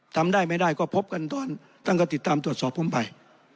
ทำได้ไม่ได้ก็พบกันตอนติดตามตรวจสอบพรุ่งไป